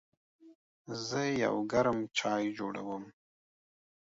زه یو ګرم چای جوړوم.